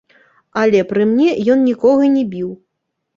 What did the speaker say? Але пры мне ён нікога не біў.